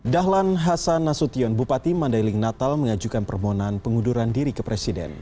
dahlan hasan nasution bupati mandailing natal mengajukan permohonan pengunduran diri ke presiden